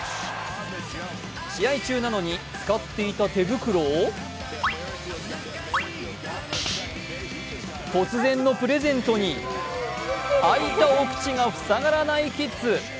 試合中なのに、使っていた手袋を突然のプレゼントに開いたお口が塞がらないキッズ。